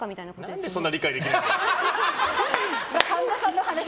何でそんな理解できないんだよ。